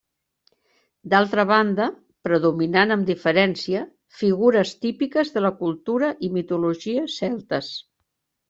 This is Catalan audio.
D'altra banda, predominant amb diferència, figures típiques de la cultura i mitologia celtes.